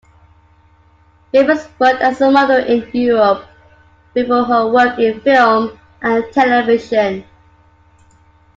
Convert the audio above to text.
Bevis worked as a model in Europe before her work in film and television.